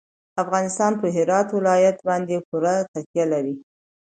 افغانستان په هرات ولایت باندې پوره تکیه لري.